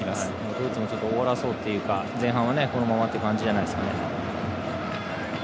ドイツも終わらそうというか前半はこのままという感じじゃないですかね。